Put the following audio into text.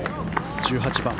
１８番。